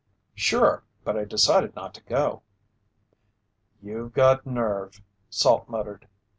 "Sure, but I decided not to go." "You got a nerve!" Salt muttered.